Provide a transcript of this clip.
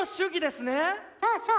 そうそう！